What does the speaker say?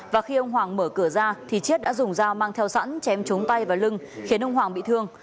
và khi ông hoàng mở cửa ra thì chiết đã dùng dao mang theo sẵn chém trúng tay và lưng khiến ông hoàng bị thương